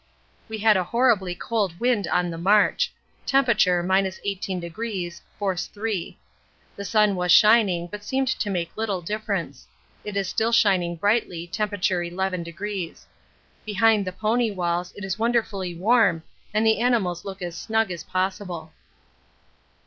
We had a horribly cold wind on the march. Temp. 18°, force 3. The sun was shining but seemed to make little difference. It is still shining brightly, temp. 11°. Behind the pony walls it is wonderfully warm and the animals look as snug as possible.